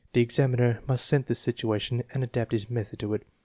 The ex aminer must scent the situation and adapt his method to it.